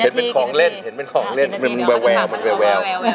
เห็นเป็นของเล่นพอจะถามว่าเวลา